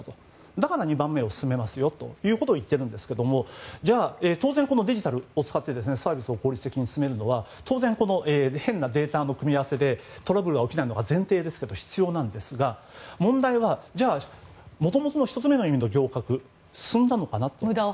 だから２番目を進めますよと言ってるんですけどもじゃあ当然、デジタルを使ってサービスを効率的に進めるのは当然、変なデータの組み合わせでトラブルが起きないのが前提ですけど必要なんですが問題は、じゃあもともとの１つ目の意味の行革進んだのかなと。